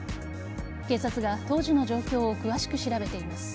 警察が当時の状況を詳しく調べています。